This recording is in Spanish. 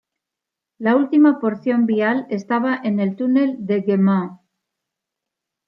La última porción vial estaba en el túnel de Gaiman.